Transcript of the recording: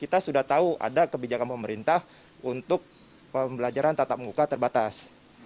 kita sudah tahu ada kebijakan pemerintah untuk pembelajaran tatap muka terbatas